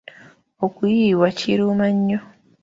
Okuyiibwa kiruma nnyo.